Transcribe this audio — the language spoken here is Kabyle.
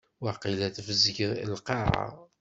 Waqila tebzeg lqaɛa.